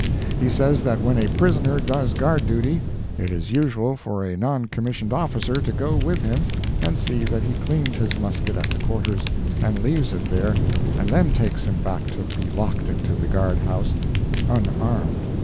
He says that when a prisoner does guard duty, it is usual for a noncommissioned officer to go with him and see that he cleans his musket at the quarters, and leaves it there, and then takes him back to be locked into the guard house, unarmed.